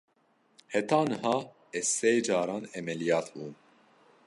Heta niha ez sê caran emeliyat bûm.